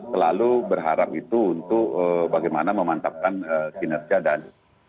selalu berharap itu untuk bagaimana memantapkan kinerja dan